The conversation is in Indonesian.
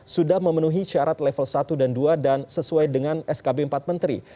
sudah memenuhi syarat level satu dan dua dan sesuai dengan skb empat menteri